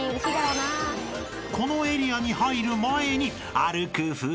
［このエリアに入る前に］